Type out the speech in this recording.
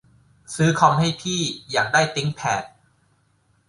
ซื้อคอมให้พี่ อยากได้ ติ๊งแผด